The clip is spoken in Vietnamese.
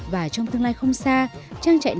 và trong tương lai không xa